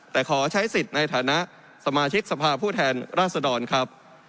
แต่ขอใช้สิทธิ์ในฐานะสมาชิกสภาพผู้แทนราชดรครับ